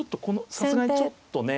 さすがにちょっとね